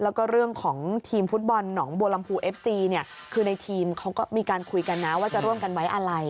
แล้วก็เรื่องของทีมฟุตบอลหนองบัวลำพูเอฟซีเนี่ยคือในทีมเขาก็มีการคุยกันนะว่าจะร่วมกันไว้อะไร